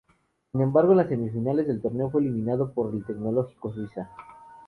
Sin embargo en las semifinales del torneo fue eliminado por el Tecnológico Suiza.